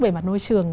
về mặt nôi trường